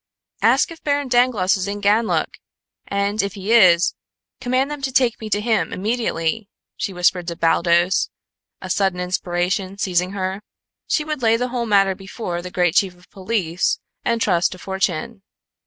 "Ask if Baron Dangloss is in Ganlook, and, if he is, command them to take me to him immediately," she whispered to Baldos, a sudden inspiration seizing her. She would lay the whole matter before the great chief of police, and trust to fortune.